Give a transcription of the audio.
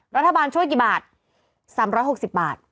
รัฐบาลช่วยกี่บาท๓๖๐บาท